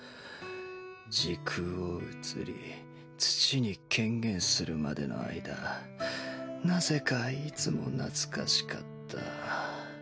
時空を移り土に顕現するまでの間なぜかいつも懐かしかった。